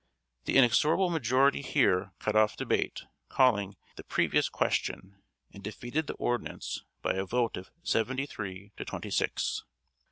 The inexorable majority here cut off debate, calling the previous question, and defeated the ordinance by a vote of seventy three to twenty six.